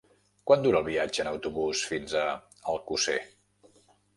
Quant dura el viatge en autobús fins a Alcosser?